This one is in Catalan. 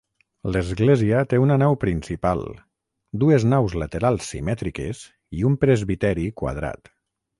L'església té una nau principal, dues naus laterals simètriques i un presbiteri quadrat.